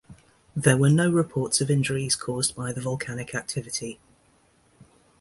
There were no reports of injuries caused by the volcanic activity.